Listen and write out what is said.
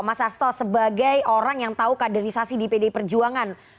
mas asto sebagai orang yang tahu kaderisasi di pdi perjuangan